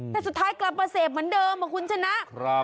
แต่สุดท้ายกลับมาเสพเหมือนเดิมคุณชนะ